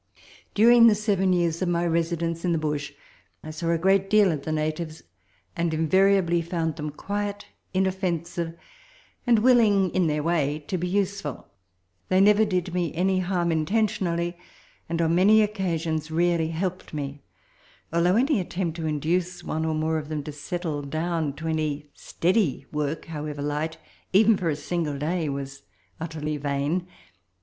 During the seven years of my residence in the bush I saw a great deal of the natives, and invariably found them quiet, inoffen sive, and willing, in their way, to be useful. They never did me any harm intentionally, and on many occasions really helped me ; although any attempt to induce one or more of them to settle to any steady work, however light, even for a single day, was utterly vain.